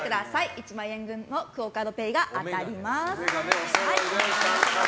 １万円分のＱＵＯカードＰａｙが当たります。